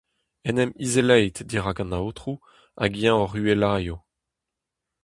En em izelait dirak an Aotrou hag eñ hoc’h uhelaio.